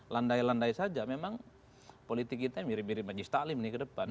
landai landai saja memang politik kita mirip mirip maji stalin ke depan